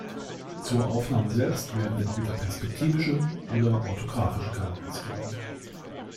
Zur Aufnahme selbst werden entweder perspektivische oder orthografische Kameras verwendet.